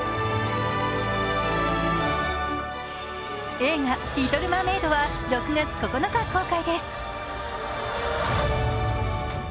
映画「リトル・マーメイド」は６月９日公開です。